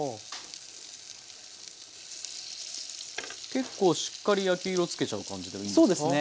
結構しっかり焼き色つけちゃう感じでいいんですか？